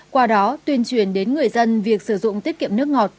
qua đó tuyên truyền đến người dân việc sử dụng tiết kiệm nước ngọt